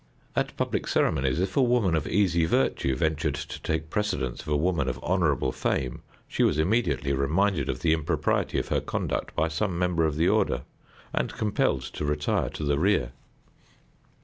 At public ceremonies, if a woman of easy virtue ventured to take precedence of a woman of honorable fame, she was immediately reminded of the impropriety of her conduct by some member of the order, and compelled to retire to the rear.